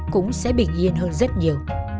cũng sẽ bình yên hơn rất nhiều